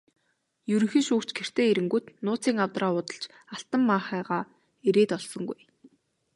Ерөнхий шүүгч гэртээ ирэнгүүт нууцын авдраа уудалж алтан маахайгаа эрээд олсонгүй.